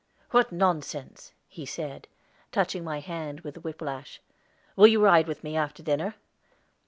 "What nonsense!" he said, touching my hand with the whiplash. "Will you ride with me after dinner?"